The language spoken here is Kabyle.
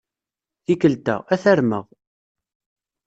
Tikkelt-a, ad t-armeɣ.